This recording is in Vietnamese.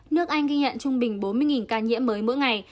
nước anh ghi nhận trung bình bốn mươi ca nhiễm mới mỗi ngày